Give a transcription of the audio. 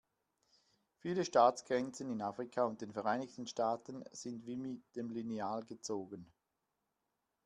Viele Staatsgrenzen in Afrika und den Vereinigten Staaten sind wie mit dem Lineal gezogen.